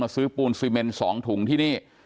ซื้อปูนซีเมน๒ถุงที่นี่